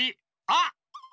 あっ！